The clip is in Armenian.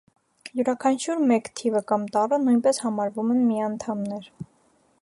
Յուրաքանչյուր մեկ թիվը կամ տառը նույնպես համարվում են միանդամներ։